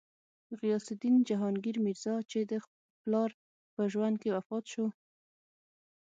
غیاث الدین جهانګیر میرزا، چې د پلار په ژوند کې وفات شو.